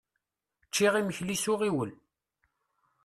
Ččiɣ imekli s uɣiwel.